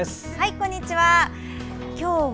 こんにちは。